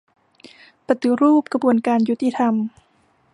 ปฏิรูปกระบวนการยุติธรรม